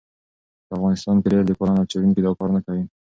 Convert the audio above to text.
په افغانستان کې ډېر لیکوالان او څېړونکي دا کار نه کوي.